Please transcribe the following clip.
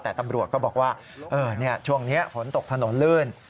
แต่ตำรวจก็บอกว่าช่วงนี้ฝนตกถนนลื่น